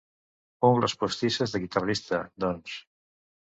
Ungles postisses de guitarrista, doncs.